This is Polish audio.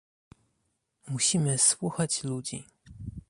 Musimy słuchać ludzi